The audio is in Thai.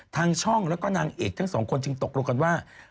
ทางช่องแล้วก็นางเอกทั้งสองคนจึงตกลงกันว่า